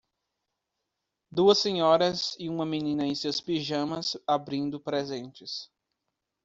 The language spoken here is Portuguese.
Duas senhoras e uma menina em seus pijamas abrindo presentes